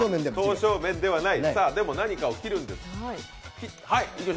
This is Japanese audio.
でも何かを切るんです。